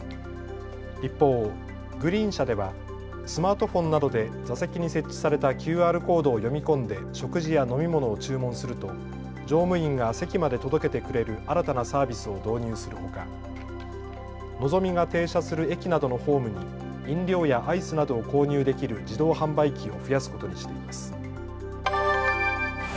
一方、グリーン車ではスマートフォンなどで座席に設置されたＱＲコードを読み込んで食事や飲み物を注文すると乗務員が席まで届けてくれる新たなサービスを導入するほかのぞみが停車する駅などのホームに飲料やアイスなどを購入できる自動販売機を増やすことにしています。